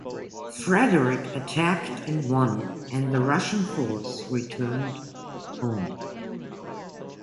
Frederick attacked and won, and the Russian force returned home.